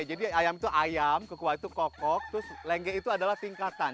jadi ayam itu ayam kukuak itu kokok terus lenge itu adalah tingkatan